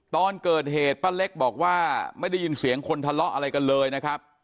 ตอนเกิดเหตุป้าเล็กบอกว่าไม่ได้ยินเสียงคนทะเลาะอะไรกันเลยนะครับ